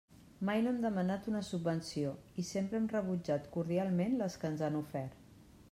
Mai no hem demanat una subvenció i sempre hem rebutjat cordialment les que ens han ofert.